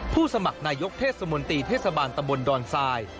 สมัครนายกเทศมนตรีเทศบาลตำบลดอนทราย